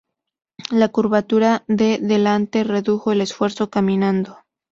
La curvatura de delante redujo el esfuerzo caminando.